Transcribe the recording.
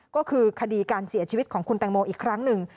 ก็คือคดีการเสียชีวิตของคุณแตงโมอีกครั้งหนึ่ง